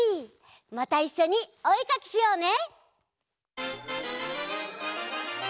またいっしょにおえかきしようね！